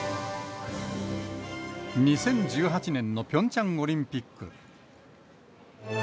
２０１８年のピョンチャンオリンピック。